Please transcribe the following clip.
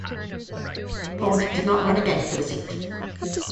Ward did not run again for the seat.